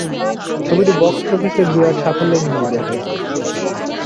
ছবিটি বক্স অফিসে বিরাট সাফল্যের মুখ দেখে।